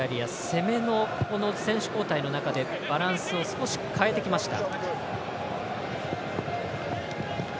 攻めの選手交代の中でバランスを少し変えてきました。